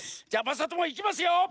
じゃまさともいきますよ！